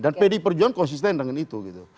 dan pdi perjuangan konsisten dengan itu gitu